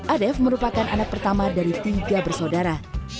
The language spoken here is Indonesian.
adef merupakan anak pertama dari tiga bersaudara